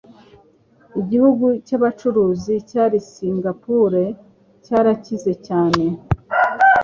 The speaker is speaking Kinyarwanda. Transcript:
Igihugu cyabacuruzi cya Singapore cyarakize cyane